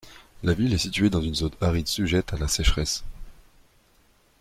La ville est située dans une zone aride sujette à la sécheresse.